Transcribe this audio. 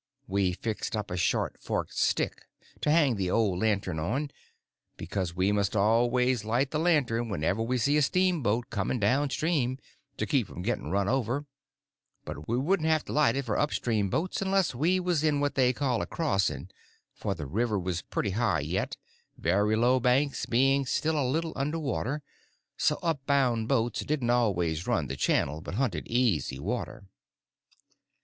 We fixed up a short forked stick to hang the old lantern on, because we must always light the lantern whenever we see a steamboat coming down stream, to keep from getting run over; but we wouldn't have to light it for up stream boats unless we see we was in what they call a "crossing"; for the river was pretty high yet, very low banks being still a little under water; so up bound boats didn't always run the channel, but hunted easy water.